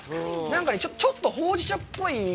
なんかね、ちょっとほうじ茶っぽい